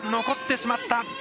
残ってしまった。